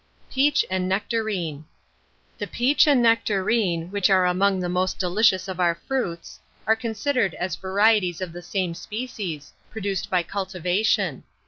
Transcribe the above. PEACH AND NECTARINE. The peach and nectarine, which are among the most delicious of our fruits, are considered as varieties of the same species, produced by cultivation.